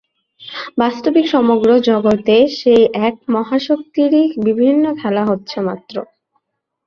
বাস্তবিক সমগ্র জগতে সেই এক মহাশক্তিরই বিভিন্ন খেলা হচ্ছে মাত্র।